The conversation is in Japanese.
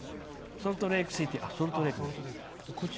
ソルトレークシティー。